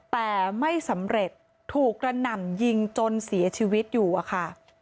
แต่ไม่สำเร็จถูกกระหน่ำยิงจนเสียชีวิตอยู่อะค่ะ